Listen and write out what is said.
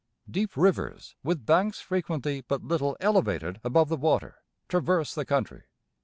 Deep rivers, with banks frequently but little elevated above the water, traverse the country.